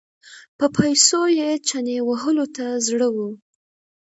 په پیسو یې چنې وهلو ته زړه و.